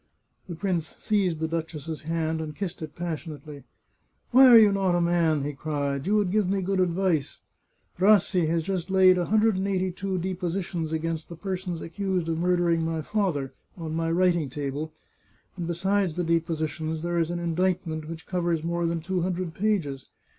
The prince seized the duchess's hand and kissed it pas sionately. " Why are you not a man ?" he cried. " You would give me good advice ! Rassi has just laid a hundred and eighty two depositions against the persons accused of murdering my father on my writing table, and besides the depositions there is an indictment which covers more than two hundred pages.